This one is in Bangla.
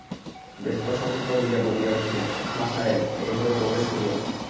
ব্যস্তসমস্ত হইয়া বলিয়া উঠিলেন, খাঁ সাহেব, এ ঘরে প্রবেশ করিয়ো না।